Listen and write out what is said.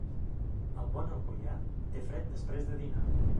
El bon alcoià... té fred després de dinar.